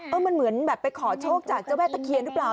เหมือนแบบไปขอโชคจากเจ้าแม่ตะเคียนหรือเปล่า